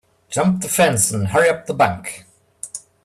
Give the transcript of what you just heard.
Jump the fence and hurry up the bank.